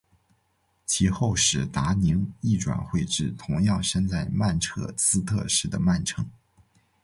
其后史达宁亦转会至同样身在曼彻斯特市的曼城。